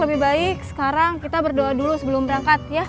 lebih baik sekarang kita berdoa dulu sebelum berangkat ya